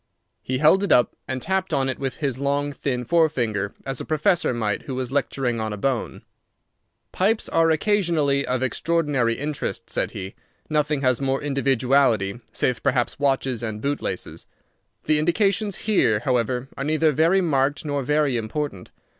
He held it up and tapped on it with his long, thin fore finger, as a professor might who was lecturing on a bone. "Pipes are occasionally of extraordinary interest," said he. "Nothing has more individuality, save perhaps watches and bootlaces. The indications here, however, are neither very marked nor very important.